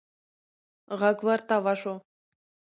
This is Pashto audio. غږ ورته وشو: